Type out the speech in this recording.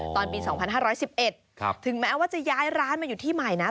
ตอนปีสองพันห้าร้อยสิบเอ็ดครับถึงแม้ว่าจะย้ายร้านมาอยู่ที่ใหม่นะ